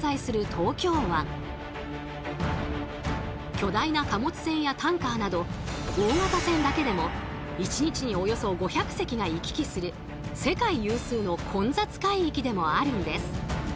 巨大な貨物船やタンカーなど大型船だけでも１日におよそ５００隻が行き来する世界有数の混雑海域でもあるんです。